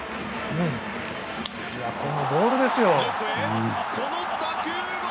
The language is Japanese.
このボールですよ。